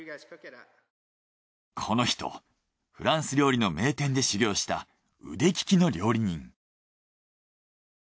この人フランス料理の名店で修業した腕ききの料理人。